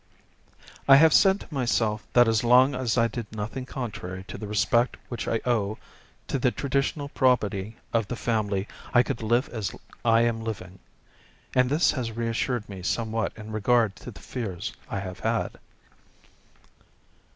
"I have said to myself that as long as I did nothing contrary to the respect which I owe to the traditional probity of the family I could live as I am living, and this has reassured me somewhat in regard to the fears I have had."